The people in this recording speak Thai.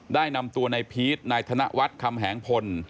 ได้นำตัวนายพีชนายธนวัฒน์คำแหงพล